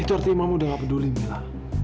itu artinya mama sudah tidak peduli camilla